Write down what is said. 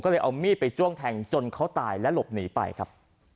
ก็เลยเอามีดไปจ้วงแทงจนเขาตายและหลบหนีไปครับ